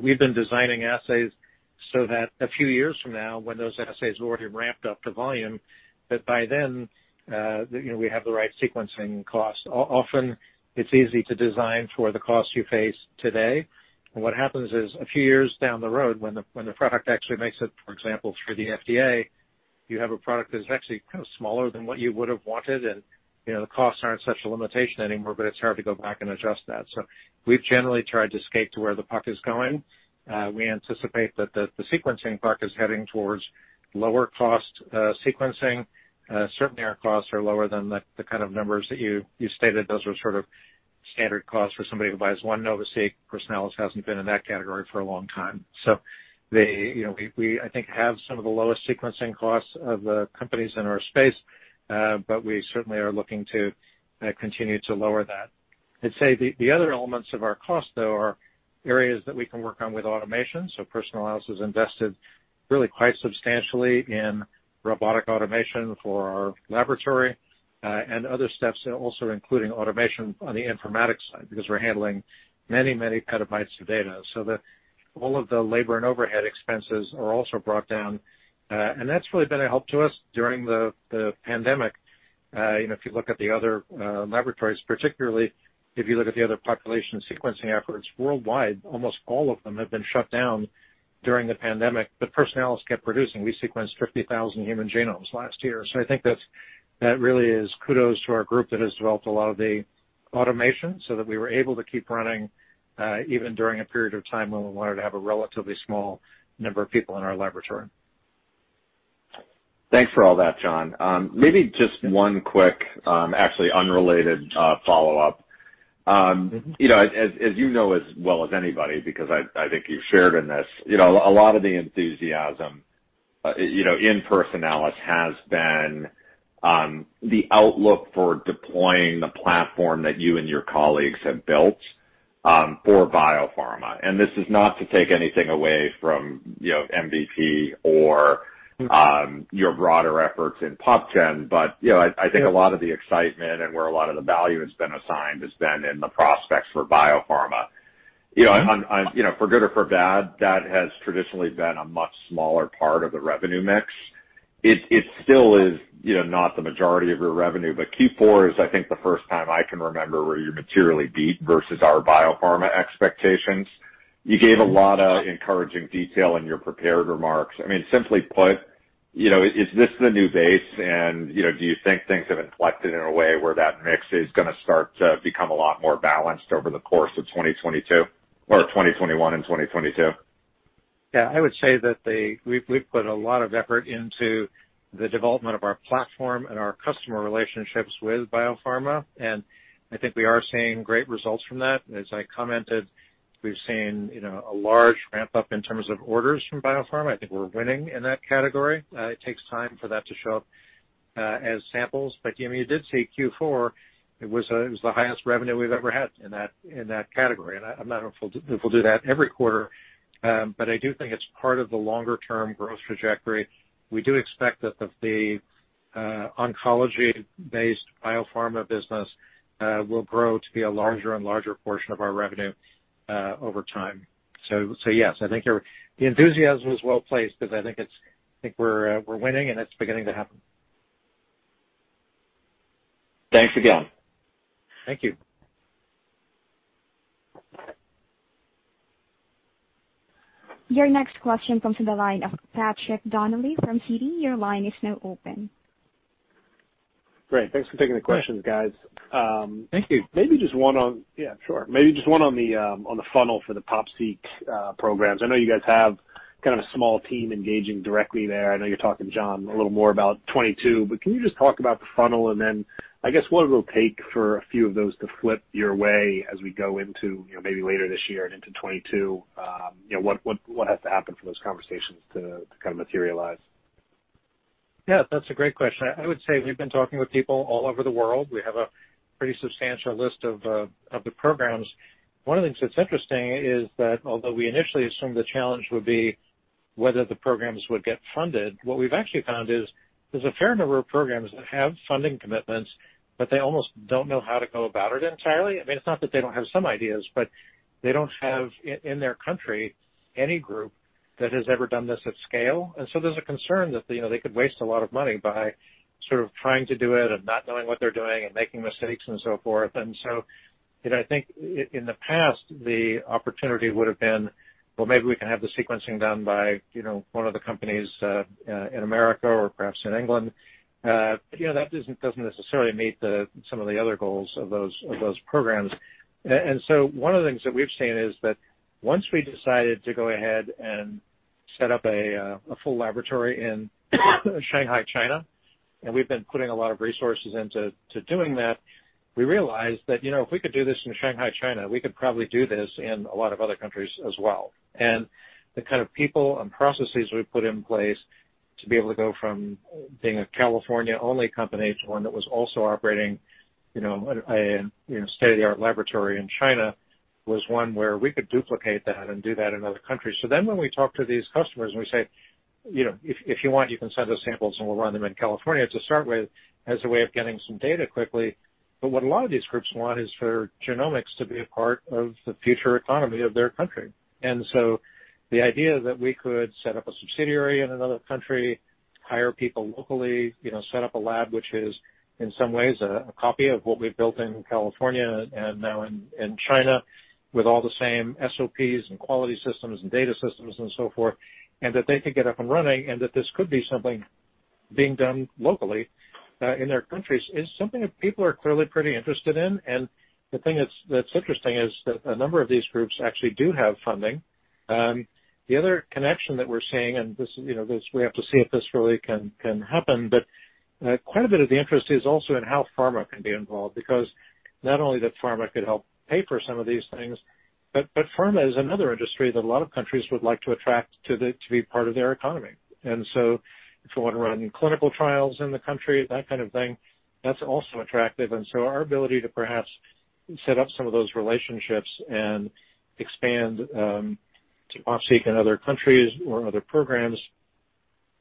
S3: We have been designing assays so that a few years from now, when those assays are already ramped up to volume, by then we have the right sequencing cost. Often, it's easy to design for the cost you face today. What happens is a few years down the road, when the product actually makes it, for example, through the FDA, you have a product that is actually kind of smaller than what you would have wanted, and the costs are not such a limitation anymore, but it's hard to go back and adjust that. We have generally tried to skate to where the puck is going. We anticipate that the sequencing puck is heading towards lower-cost sequencing. Certainly, our costs are lower than the kind of numbers that you stated. Those are sort of standard costs for somebody who buys one NovaSeq. Personalis hasn't been in that category for a long time. We, I think, have some of the lowest sequencing costs of the companies in our space, but we certainly are looking to continue to lower that. I'd say the other elements of our cost, though, are areas that we can work on with automation. Personalis has invested really quite substantially in robotic automation for our laboratory and other steps, also including automation on the informatics side because we're handling many, many petabytes of data. All of the labor and overhead expenses are also brought down. That has really been a help to us during the pandemic. If you look at the other laboratories, particularly if you look at the other population sequencing efforts worldwide, almost all of them have been shut down during the pandemic. Personalis has kept producing. We sequenced 50,000 human genomes last year. I think that really is kudos to our group that has developed a lot of the automation so that we were able to keep running even during a period of time when we wanted to have a relatively small number of people in our laboratory.
S7: Thanks for all that, John. Maybe just one quick, actually unrelated follow-up. As you know as well as anybody, because I think you've shared in this, a lot of the enthusiasm in Personalis has been the outlook for deploying the platform that you and your colleagues have built for biopharma. This is not to take anything away from MVP or your broader efforts in PopGen, but I think a lot of the excitement and where a lot of the value has been assigned has been in the prospects for biopharma. For good or for bad, that has traditionally been a much smaller part of the revenue mix. It still is not the majority of your revenue, but Q4 is, I think, the first time I can remember where you materially beat versus our biopharma expectations. You gave a lot of encouraging detail in your prepared remarks. I mean, simply put, is this the new base, and do you think things have inflected in a way where that mix is going to start to become a lot more balanced over the course of 2022 or 2021 and 2022?
S3: Yeah. I would say that we've put a lot of effort into the development of our platform and our customer relationships with biopharma, and I think we are seeing great results from that. As I commented, we've seen a large ramp-up in terms of orders from biopharma. I think we're winning in that category. It takes time for that to show up as samples. You did see Q4, it was the highest revenue we've ever had in that category. I'm not sure if we'll do that every quarter, but I do think it's part of the longer-term growth trajectory. We do expect that the oncology-based biopharma business will grow to be a larger and larger portion of our revenue over time. Yes, I think the enthusiasm is well placed because I think we're winning, and it's beginning to happen.
S7: Thanks again.
S3: Thank you.
S1: Your next question comes from the line of Patrick Donnelly from Citi. Your line is now open.
S8: Great. Thanks for taking the questions, guys.
S3: Thank you.
S8: Maybe just one on—yeah, sure. Maybe just one on the funnel for the PopSeq programs. I know you guys have kind of a small team engaging directly there. I know you're talking to John a little more about 2022, but can you just talk about the funnel and then, I guess, what it will take for a few of those to flip your way as we go into maybe later this year and into 2022? What has to happen for those conversations to kind of materialize?
S3: Yeah. That's a great question. I would say we've been talking with people all over the world. We have a pretty substantial list of the programs. One of the things that's interesting is that although we initially assumed the challenge would be whether the programs would get funded, what we've actually found is there's a fair number of programs that have funding commitments, but they almost don't know how to go about it entirely. I mean, it's not that they don't have some ideas, but they don't have in their country any group that has ever done this at scale. There is a concern that they could waste a lot of money by sort of trying to do it and not knowing what they're doing and making mistakes and so forth. I think in the past, the opportunity would have been, "Well, maybe we can have the sequencing done by one of the companies in America or perhaps in England." That doesn't necessarily meet some of the other goals of those programs. One of the things that we've seen is that once we decided to go ahead and set up a full laboratory in Shanghai, China, and we've been putting a lot of resources into doing that, we realized that if we could do this in Shanghai, China, we could probably do this in a lot of other countries as well. The kind of people and processes we put in place to be able to go from being a California-only company to one that was also operating a state-of-the-art laboratory in China was one where we could duplicate that and do that in other countries. When we talk to these customers and we say, "If you want, you can send us samples, and we'll run them in California to start with as a way of getting some data quickly," what a lot of these groups want is for genomics to be a part of the future economy of their country. The idea that we could set up a subsidiary in another country, hire people locally, set up a lab which is in some ways a copy of what we've built in California and now in China with all the same SOPs and quality systems and data systems and so forth, and that they could get up and running and that this could be something being done locally in their countries is something that people are clearly pretty interested in. The thing that's interesting is that a number of these groups actually do have funding. The other connection that we're seeing, and we have to see if this really can happen, but quite a bit of the interest is also in how pharma can be involved because not only that pharma could help pay for some of these things, but pharma is another industry that a lot of countries would like to attract to be part of their economy. If we want to run clinical trials in the country, that kind of thing, that's also attractive. Our ability to perhaps set up some of those relationships and expand to PopSeq and other countries or other programs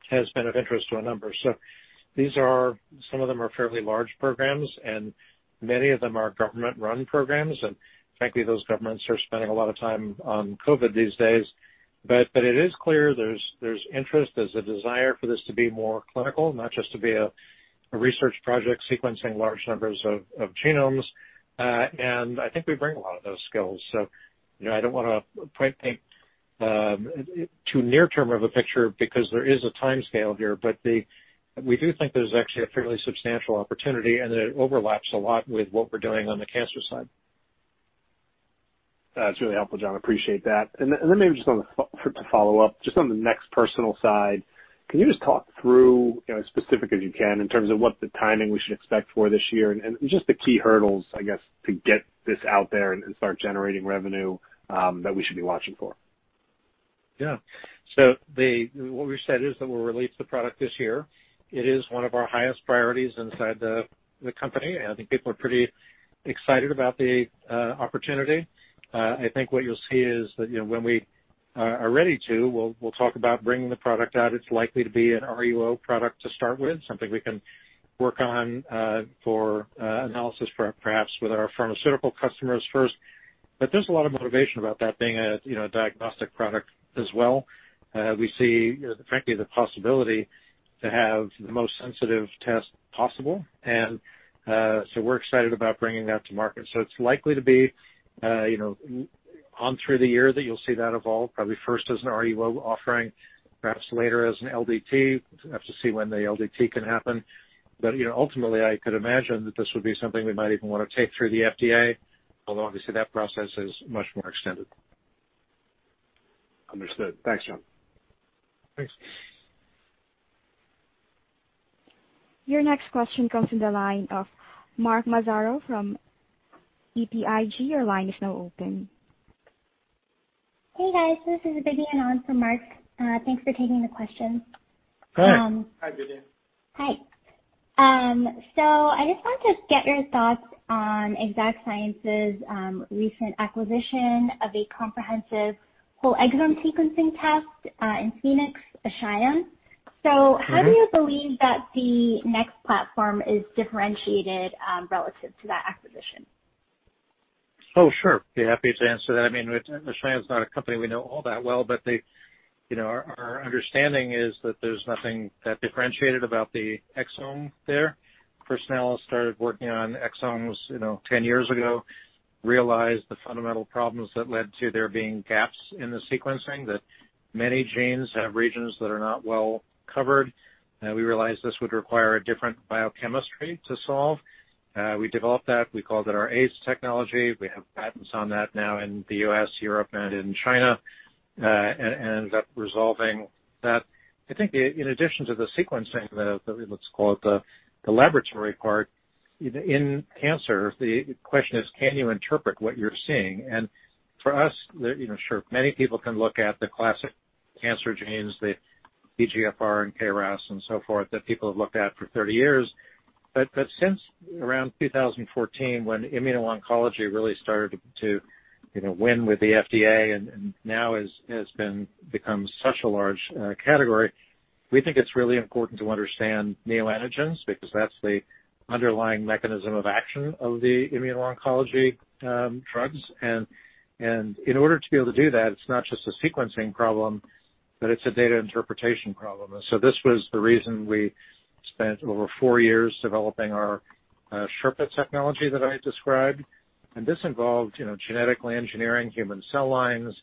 S3: has been of interest to a number. Some of them are fairly large programs, and many of them are government-run programs. Frankly, those governments are spending a lot of time on COVID these days. It is clear there's interest. There's a desire for this to be more clinical, not just to be a research project sequencing large numbers of genomes. I think we bring a lot of those skills. I do not want to point people too near-term of a picture because there is a time scale here, but we do think there's actually a fairly substantial opportunity, and it overlaps a lot with what we're doing on the cancer side.
S8: That's really helpful, John. I appreciate that. Maybe just to follow up, just on the NeXT Personal side, can you just talk through as specific as you can in terms of what the timing we should expect for this year and just the key hurdles, I guess, to get this out there and start generating revenue that we should be watching for?
S3: Yeah. What we've said is that we'll release the product this year. It is one of our highest priorities inside the company. I think people are pretty excited about the opportunity. I think what you'll see is that when we are ready to, we'll talk about bringing the product out. It's likely to be an RUO product to start with, something we can work on for analysis perhaps with our pharmaceutical customers first. There is a lot of motivation about that being a diagnostic product as well. We see, frankly, the possibility to have the most sensitive test possible. We are excited about bringing that to market. It is likely to be on through the year that you will see that evolve, probably first as an RUO offering, perhaps later as an LDT. We will have to see when the LDT can happen. Ultimately, I could imagine that this would be something we might even want to take through the FDA, although obviously that process is much more extended.
S8: Understood. Thanks, John.
S3: Thanks.
S1: Your next question comes from the line of Mark Massaro from BTIG. Your line is now open.
S9: Hey, guys. This is Vivian on from Mark. Thanks for taking the question.
S3: Hi. Hi, Vivian.
S9: Hi. I just want to get your thoughts on Exact Sciences' recent acquisition of a comprehensive whole exome sequencing test in Phoenix, Ashion. How do you believe that the NeXT Platform is differentiated relative to that acquisition?
S3: Oh, sure. I'd be happy to answer that. I mean, Ashion is not a company we know all that well, but our understanding is that there is nothing that differentiated about the exome there. Personalis started working on exomes 10 years ago, realized the fundamental problems that led to there being gaps in the sequencing, that many genes have regions that are not well covered. We realized this would require a different biochemistry to solve. We developed that. We called it our ACE Technology. We have patents on that now in the U.S., Europe, and in China, and ended up resolving that. I think in addition to the sequencing, let's call it the laboratory part, in cancer, the question is, can you interpret what you're seeing? For us, sure, many people can look at the classic cancer genes, the EGFR and KRAS and so forth that people have looked at for 30 years. Since around 2014, when immuno-oncology really started to win with the FDA and now has become such a large category, we think it's really important to understand neoantigens because that's the underlying mechanism of action of the immuno-oncology drugs. In order to be able to do that, it's not just a sequencing problem, but it's a data interpretation problem. This was the reason we spent over four years developing our SHERPA technology that I described. This involved genetically engineering human cell lines,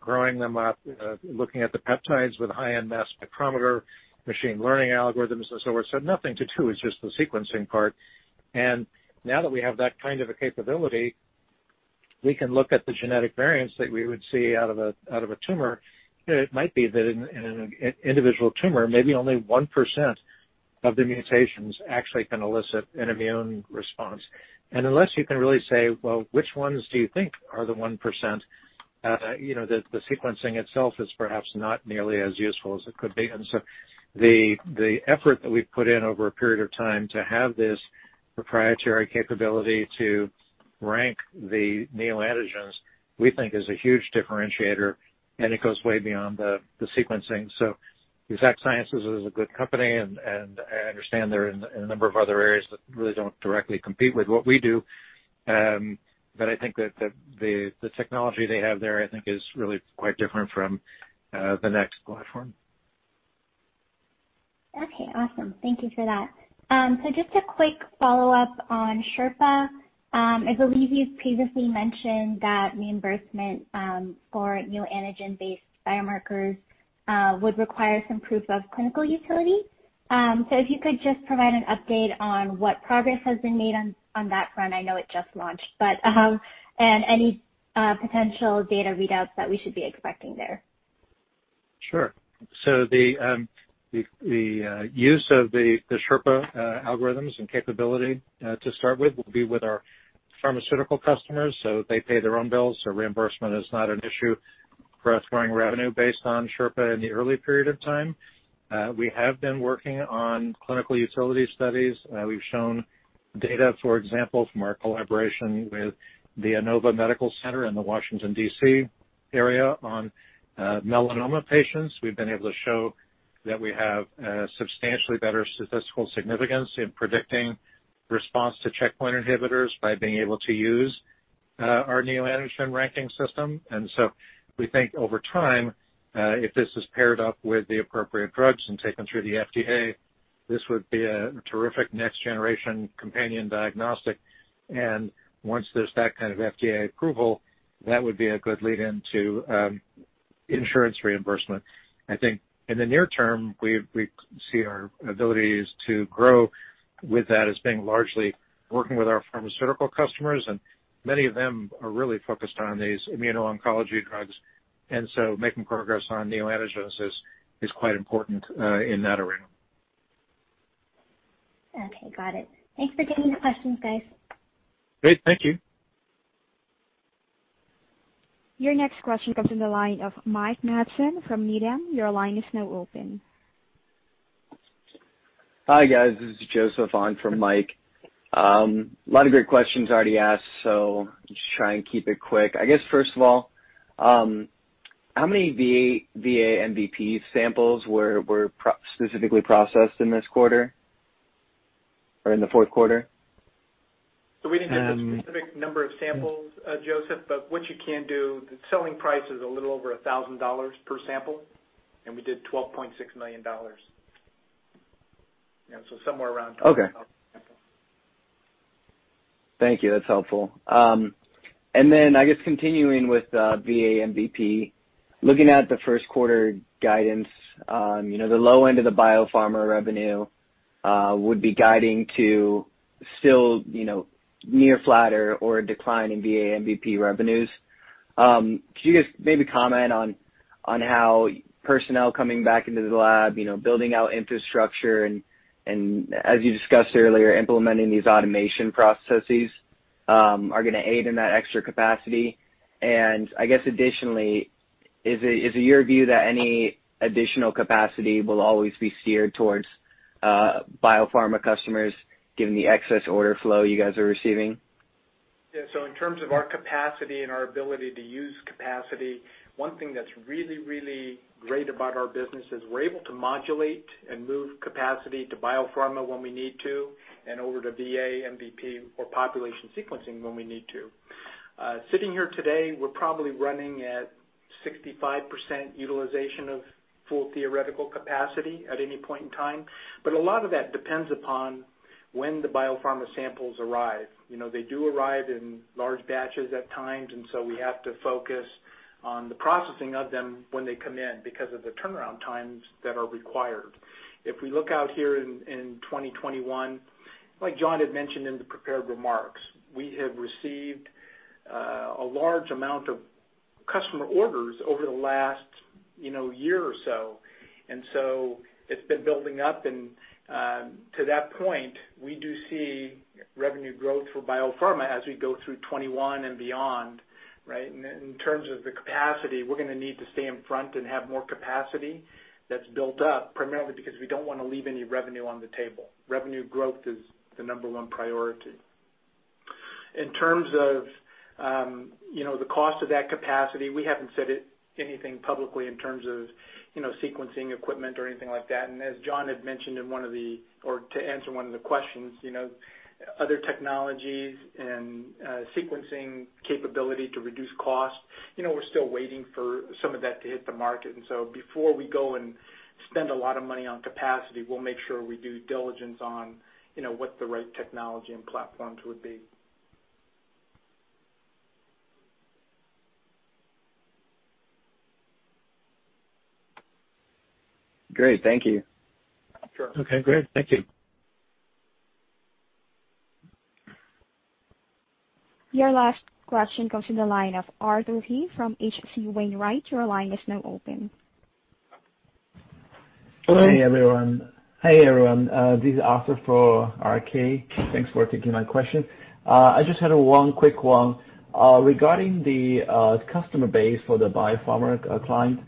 S3: growing them up, looking at the peptides with a high-end mass spectrometer, machine learning algorithms, and so forth. Nothing to do with just the sequencing part. Now that we have that kind of a capability, we can look at the genetic variants that we would see out of a tumor. It might be that in an individual tumor, maybe only 1% of the mutations actually can elicit an immune response. Unless you can really say, "Which ones do you think are the 1%?" the sequencing itself is perhaps not nearly as useful as it could be. The effort that we have put in over a period of time to have this proprietary capability to rank the neoantigens, we think, is a huge differentiator, and it goes way beyond the sequencing. Exact Sciences is a good company, and I understand there are a number of other areas that really do not directly compete with what we do. I think that the technology they have there, I think, is really quite different from the NeXT Platform.
S9: Okay. Awesome. Thank you for that. Just a quick follow-up on SHERPA. I believe you've previously mentioned that reimbursement for neoantigens-based biomarkers would require some proof of clinical utility. If you could just provide an update on what progress has been made on that front. I know it just launched, but any potential data readouts that we should be expecting there.
S3: Sure. The use of the SHERPA algorithms and capability to start with will be with our pharmaceutical customers. They pay their own bills, so reimbursement is not an issue for us growing revenue based on SHERPA in the early period of time. We have been working on clinical utility studies. We've shown data, for example, from our collaboration with the Inova Medical Center in the Washington, D.C., area on melanoma patients. We've been able to show that we have substantially better statistical significance in predicting response to checkpoint inhibitors by being able to use our neoantigens ranking system. We think over time, if this is paired up with the appropriate drugs and taken through the FDA, this would be a terrific next-generation companion diagnostic. Once there's that kind of FDA approval, that would be a good lead-in to insurance reimbursement. I think in the near term, we see our abilities to grow with that as being largely working with our pharmaceutical customers. Many of them are really focused on these immuno-oncology drugs. Making progress on neoantigens is quite important in that arena.
S9: Okay. Got it. Thanks for taking the questions, guys.
S3: Great. Thank you.
S1: Your next question comes from the line of Mike Matson from Needham. Your line is now open.
S10: Hi, guys. This is Joseph on from Mike. A lot of great questions already asked, so I'll just try and keep it quick. I guess, first of all, how many VA MVP samples were specifically processed in this quarter or in the fourth quarter?
S4: We did not get the specific number of samples, Joseph, but what you can do, the selling price is a little over $1,000 per sample, and we did $12.6 million. So somewhere around 12,000 samples.
S10: Thank you. That's helpful. And then, I guess, continuing with VA MVP, looking at the first quarter guidance, the low end of the biopharma revenue would be guiding to still near flat or a decline in VA MVP revenues. Could you guys maybe comment on how personnel coming back into the lab, building out infrastructure, and, as you discussed earlier, implementing these automation processes are going to aid in that extra capacity? I guess, additionally, is it your view that any additional capacity will always be steered towards biopharma customers given the excess order flow you guys are receiving?
S4: Yeah. In terms of our capacity and our ability to use capacity, one thing that's really, really great about our business is we're able to modulate and move capacity to biopharma when we need to and over to VA MVP or population sequencing when we need to. Sitting here today, we're probably running at 65% utilization of full theoretical capacity at any point in time. A lot of that depends upon when the biopharma samples arrive. They do arrive in large batches at times, and we have to focus on the processing of them when they come in because of the turnaround times that are required. If we look out here in 2021, like John had mentioned in the prepared remarks, we have received a large amount of customer orders over the last year or so. It has been building up. To that point, we do see revenue growth for biopharma as we go through 2021 and beyond, right? In terms of the capacity, we are going to need to stay in front and have more capacity that is built up primarily because we do not want to leave any revenue on the table. Revenue growth is the number one priority. In terms of the cost of that capacity, we have not said anything publicly in terms of sequencing equipment or anything like that. As John had mentioned in one of the, or to answer one of the questions, other technologies and sequencing capability to reduce cost, we're still waiting for some of that to hit the market. Before we go and spend a lot of money on capacity, we'll make sure we do diligence on what the right technology and platforms would be.
S10: Great. Thank you.
S4: Sure.
S3: Okay. Great. Thank you.
S1: Your last question comes from the line of Arthur He from H.C. Wainwright. Your line is now open.
S11: Hello. Hey, everyone. Hey, everyone. This is Arthur for RK. Thanks for taking my question. I just had one quick one. Regarding the customer base for the biopharma client,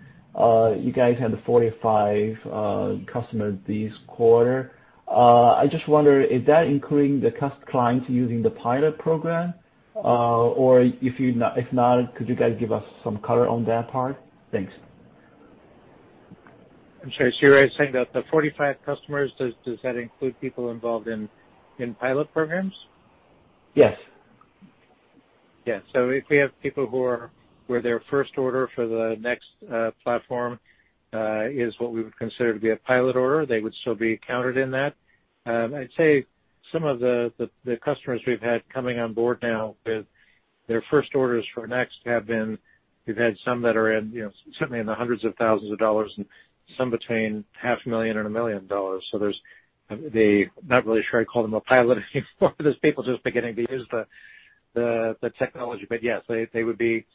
S11: you guys had 45 customers this quarter. I just wondered, is that including the clients using the pilot program? Or if not, could you guys give us some color on that part? Thanks.
S3: I'm sorry. So you're saying that the 45 customers, does that include people involved in pilot programs?
S11: Yes.
S3: Yeah. If we have people who are where their first order for the NeXT Platform is what we would consider to be a pilot order, they would still be counted in that. I'd say some of the customers we've had coming on board now with their first orders for NeXT have been, we've had some that are certainly in the hundreds of thousands of dollars and some between $500,000 and $1 million. They're not really sure I call them a pilot anymore. There are people just beginning to use the technology. But yes, they would be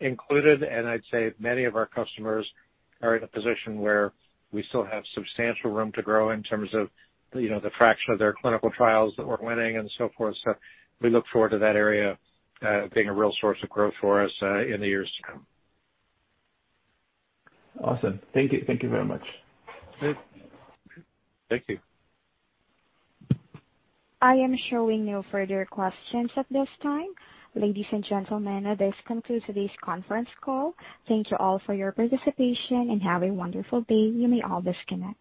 S3: included. I would say many of our customers are in a position where we still have substantial room to grow in terms of the fraction of their clinical trials that we are winning and so forth. We look forward to that area being a real source of growth for us in the years to come.
S11: Awesome. Thank you. Thank you very much.
S3: Thank you.
S1: I am showing no further questions at this time. Ladies and gentlemen, this concludes today's conference call. Thank you all for your participation and have a wonderful day. You may all disconnect.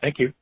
S3: Thank you.